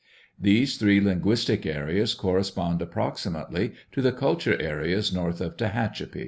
These three linguistic areas correspond approximately to the culture areas north of Tehachapi.